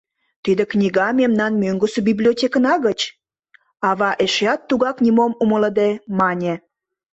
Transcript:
— Тиде книга мемнан мӧҥгысӧ библиотекына гыч, — ава эшеат тугак нимом умылыде мане.